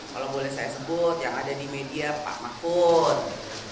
kalau boleh saya sebut yang ada di media pak mahfud